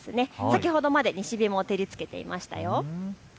先ほどまで西日も照りつけていました。